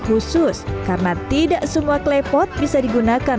khusus karena tidak semua klepot bisa digunakan